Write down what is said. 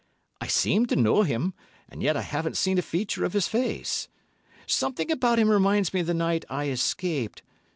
"I seem to know him, and yet I haven't seen a feature of his face. Something about him reminds me of the night I escaped from N——.